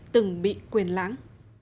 từng bị quên lắng